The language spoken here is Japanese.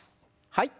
はい。